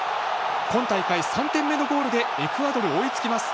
今大会３点目のゴールでエクアドル、追いつきます。